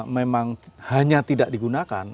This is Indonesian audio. memang hanya tidak digunakan